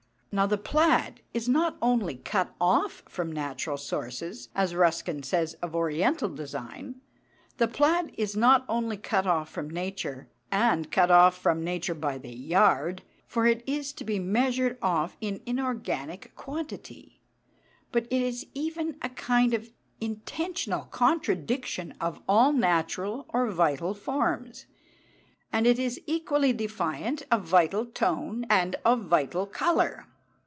Now the plaid is not only "cut off" from natural sources, as Ruskin says of Oriental design the plaid is not only cut off from nature, and cut off from nature by the yard, for it is to be measured off in inorganic quantity; but it is even a kind of intentional contradiction of all natural or vital forms. And it is equally defiant of vital tone and of vital colour.